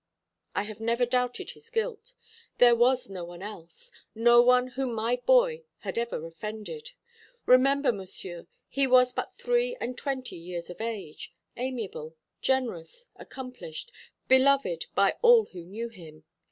"I have never doubted his guilt. There was no one else; no one whom my boy had ever offended. Remember, Monsieur, he was but three and twenty years of age, amiable, generous, accomplished, beloved by all who knew him.